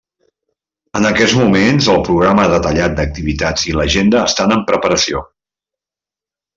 En aquests moments el programa detallat d'activitats i l'agenda estan en preparació.